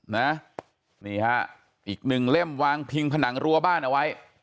นี่นะครับอีก๑เหล้มวางพิงผนังรัวบ้านเอาไว้